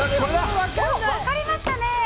分かれましたね。